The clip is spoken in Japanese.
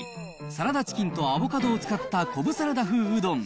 サラダチキンとアボカドを使ったコブサラダ風うどん。